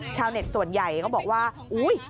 เช้าเน็ตส่วนใหญ่เขาบอกว่าอุ๊ย